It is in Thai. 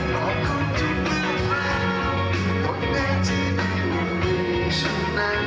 ขอบคุณทุกคนมากคนใดที่ไม่ควรมีฉันนะ